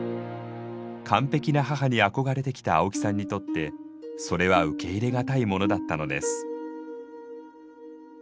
完璧な母に憧れてきた青木さんにとってそれは受け入れ難いものだったのです。